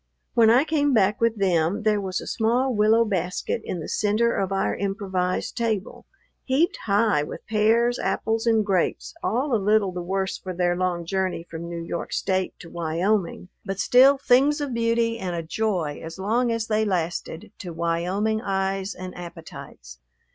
When I came back with them, there was a small willow basket in the center of our improvised table, heaped high with pears, apples, and grapes all a little the worse for their long journey from New York State to Wyoming, but still things of beauty and a joy as long as they lasted to Wyoming eyes and appetites.